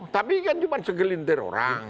tapi kan cuma segelintir orang